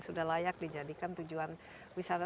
sudah layak dijadikan tujuan wisata